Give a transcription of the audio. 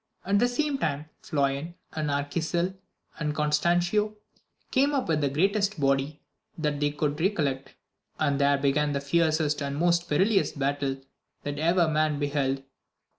At the same time Floyan, and Arquisil, and Constancio, came up with the greatest body that they could collect, and there began the fiercest and most perilous battle that ever man beheld.